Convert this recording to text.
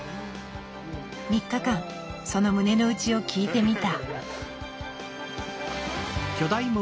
３日間その胸のうちを聞いてみた。